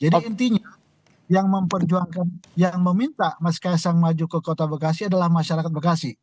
jadi intinya yang memperjuangkan yang meminta mas kaisang maju ke kota bekasi adalah masyarakat bekasi